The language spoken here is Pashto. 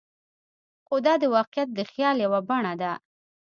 خو دا واقعیت د خیال یوه بڼه ده.